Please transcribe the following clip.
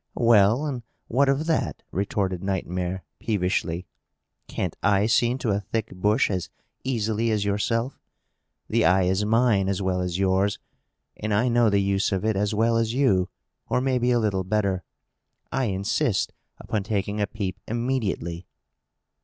"Well, and what of that?" retorted Nightmare, peevishly. "Can't I see into a thick bush as easily as yourself? The eye is mine as well as yours; and I know the use of it as well as you, or maybe a little better. I insist upon taking a peep immediately!"